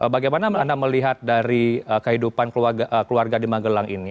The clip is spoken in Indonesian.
bagaimana anda melihat dari kehidupan keluarga di magelang ini